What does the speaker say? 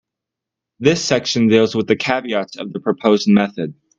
This section deals with the caveats of the proposed method.